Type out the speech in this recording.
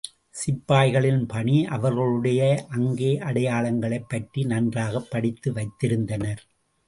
சிப்பாய்களில் பணி அவர்களுடைய அங்க அடையாளங்களைப் பற்றி நன்றாகப் படித்து வைத்திருந்தனர்.